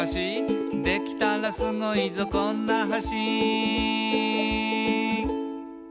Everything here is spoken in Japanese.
「できたらスゴいぞこんな橋」